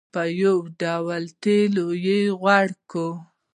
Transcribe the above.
په یو ډول تېلو غوړ کړ.